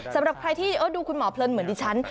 สำหรับใครที่ดูคุณหมอเพลินเหมือนดิฉัน